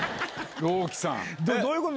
朗希さん！